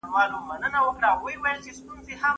ایا هغه سړی چې درمل یې اخیستي وو د ښځې ورور دی؟